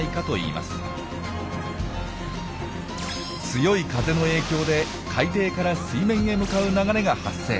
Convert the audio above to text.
強い風の影響で海底から水面へ向かう流れが発生。